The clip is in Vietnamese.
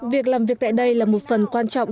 việc làm việc tại đây là một phần quan trọng